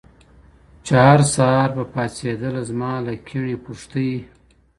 چې هرسهار به پاڅېدله زما له کیڼې پُښتۍ